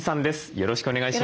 よろしくお願いします。